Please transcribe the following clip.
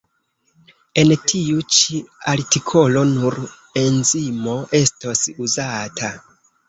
En tiu ĉi artikolo nur enzimo estos uzata.